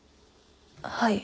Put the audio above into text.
はい。